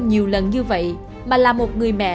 nhiều lần như vậy mà là một người mẹ